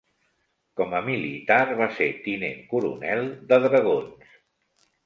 Com a militar, va ser tinent coronel de Dragons.